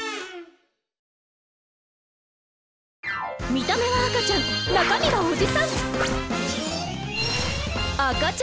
見た目は赤ちゃん中身はおじさん！